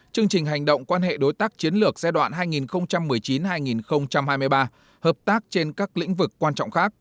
chương trình hành động quan hệ đối tác chiến lược giai đoạn hai nghìn một mươi chín hai nghìn hai mươi ba hợp tác trên các lĩnh vực quan trọng khác